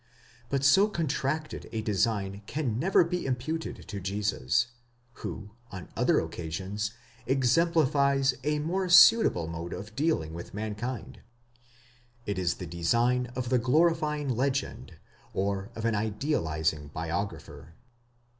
But so contracted a design can never be imputed to Jesus, who, on other occasions, exemplifies a more suitable mode of dealing with mankind: it is the design of the glorifying legend, or of an idealizing biographer.